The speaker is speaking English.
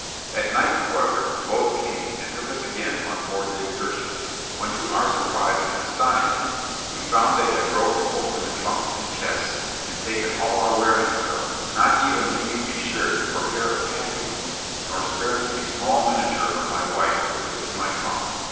At night, however, the boats came and took us again on board the Exertion; when, to our surprise and astonishment, we found they had broken open the trunks and chests, and taken all our wearing apparel, not even leaving a shirt or pair of pantaloons, nor sparing a small miniature of my wife which was in my trunk.